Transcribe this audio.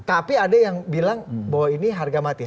tapi ada yang bilang bahwa ini harga mati